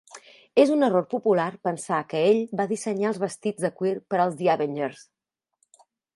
És un error popular pensar que ell va dissenyar els vestits de cuir per als "The Avengers".